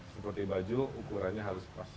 seperti baju ukurannya harus pas